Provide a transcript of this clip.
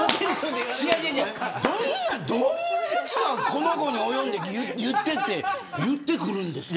どんなやつがこの後に及んで言ってくるんですか。